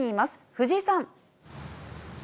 藤井さん。